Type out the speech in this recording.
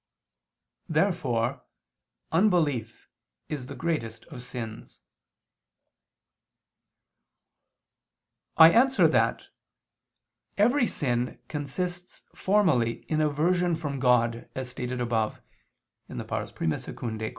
Therefore unbelief is the greatest of sins. I answer that, Every sin consists formally in aversion from God, as stated above (I II, Q.